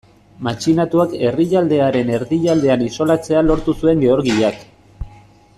Matxinatuak herrialdearen erdialdean isolatzea lortu zuen Georgiak.